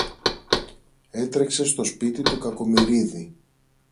Έτρεξε στο σπίτι του Κακομοιρίδη